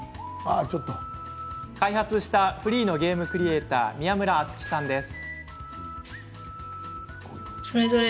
開発したフリーのゲームクリエーター宮村あつきさんです。